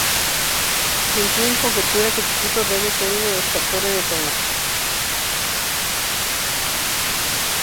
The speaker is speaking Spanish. Tintín conjetura que Chiquito debe ser uno de los captores de Tornasol.